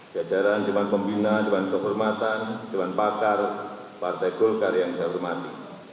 jajaran jemaat pembina jemaat kehormatan jemaat pakar partai golkar yang saya hormati